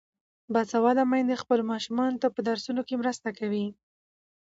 باسواده میندې خپلو ماشومانو ته په درسونو کې مرسته کوي.